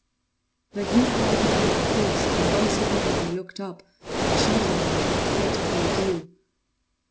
The heat rapidly increased, and once again I looked up, shuddering as with a fit of the ague.